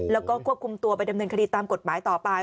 แล้วก็ควบคุมตัวไปดำเนินคดีตามกฎหมายต่อไป